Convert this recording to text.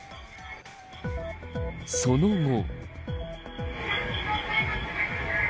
その後。